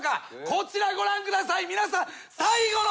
こちらご覧ください。